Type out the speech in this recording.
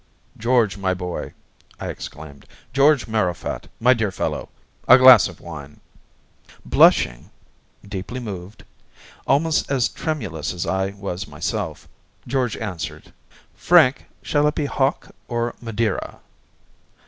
'George, my boy!' I exclaimed, 'George Marrowfat, my dear fellow! a glass of wine!' Blushing deeply moved almost as tremulous as I was myself, George answered, 'FRANK, SHALL IT BE HOCK OR MADEIRA?